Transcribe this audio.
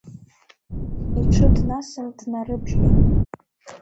Иҽы днасын днарыбжьҟьеит.